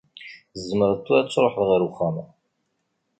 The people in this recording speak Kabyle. Tzemreḍ tura ad tṛuḥeḍ ar wexxam.